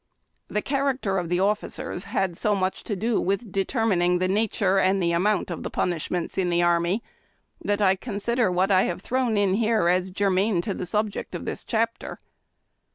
The char acter of the officers had so much to do with determining the nature and amount of the punishments in the army that I consider what I have thrown in here as germane to the subject of this chapter.